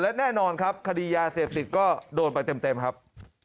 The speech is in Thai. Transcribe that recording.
และแน่นอนครับคดียาเสพติดก็โดนไปเต็มครับ